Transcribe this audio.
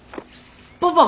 パパ！